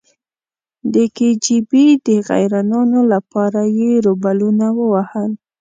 د کې جی بي د غیرانونو لپاره یې روبلونه ووهل.